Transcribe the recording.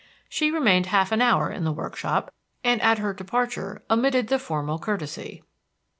She remained half an hour in the workshop, and at her departure omitted the formal courtesy.